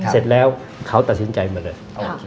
เสร็จแล้วเขาตัดสินใจมาเลย